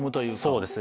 そうですね。